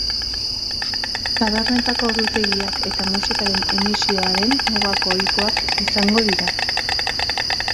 Tabernetako ordutegiak eta musikaren emisioaren mugako ohikoak izango dira.